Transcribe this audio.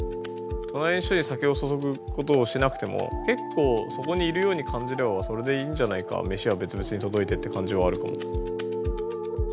隣の人に酒を注ぐことをしなくても結構そこにいるように感じればそれでいいんじゃないか飯は別々に届いてって感じはあるかも。